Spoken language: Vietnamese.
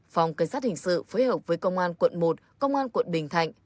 phòng cảnh sát hình sự phối hợp với công an quận một công an quận bình thạnh